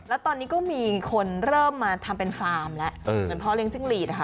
แล้วตอนนี้ก็มีคนเริ่มมาทำเป็นฟาร์มแล้วเหมือนพ่อเลี้ยจิ้งหลีดนะคะ